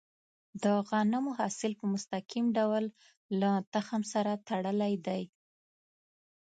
د غنمو حاصل په مستقیم ډول له تخم سره تړلی دی.